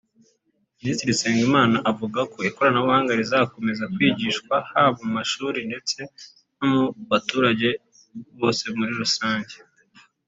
Minisitiri Nsengimana avuga ko ikoranabuhanga rizakomeza kwigishwa haba mu mashuri ndetse no mu baturage bose muri rusange